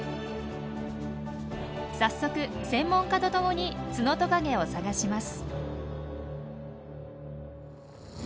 早速専門家と共にツノトカゲを探します。